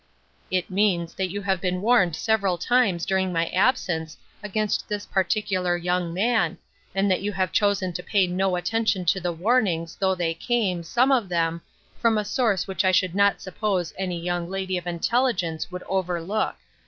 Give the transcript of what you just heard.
" It means that you have been warned several times during my absence against this particular young man, and that you have chosen to pay no attention to the warnings, though they came, some of them, from a source which I should not suppose any young lady of intelligence would overlook.